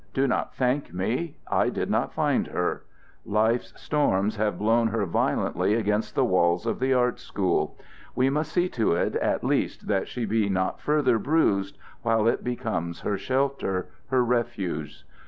Do not thank me. I did not find her. Life's storms have blown her violently against the walls of the art school; we must see to it at least that she be not further bruised while it becomes her shelter, her refuge.